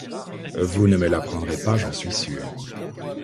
Vous ne me la prendrez pas, j'en suis sûre.